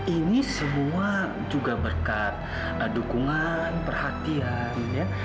ini semua juga berkat dukungan perhatian ya